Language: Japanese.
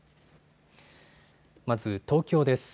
まず東京です。